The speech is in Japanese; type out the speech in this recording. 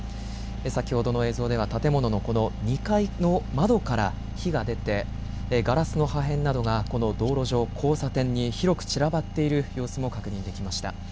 先ほどの映像では建物の、この２階の窓から火が出て、ガラスの破片などがこの道路上、交差点に広く散らばっている様子も確認できました。